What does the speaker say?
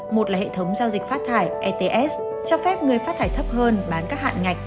một là hệ thống giao dịch phát thải ets cho phép người phát thải thấp hơn bán các hạn ngạch